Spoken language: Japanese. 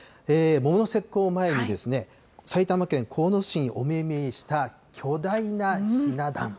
桃の節句を前に、埼玉県鴻巣市にお目見えした巨大なひな壇。